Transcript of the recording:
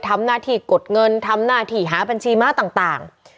ทำหน้าที่กดเงินทำหน้าที่หาบัญชีม้าต่าง